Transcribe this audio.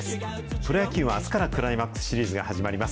プロ野球は、あすからクライマックスシリーズが始まります。